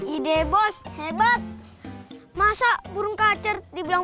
ide bos hebat masa burung kacar dibilang